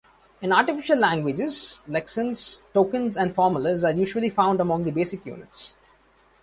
In artificial languages, lexemes, tokens, and formulas are usually found among the basic units.